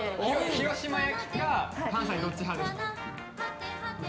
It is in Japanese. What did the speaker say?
広島焼きか関西どっち派ですか？